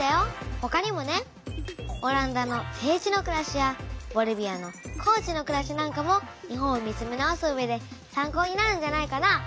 ほかにもね「オランダの低地のくらし」や「ボリビアの高地のくらし」なんかも日本を見つめ直すうえで参考になるんじゃないかな。